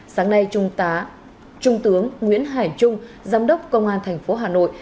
sáng nay trung tướng nguyễn hải trung giám đốc công an thành phố hà nội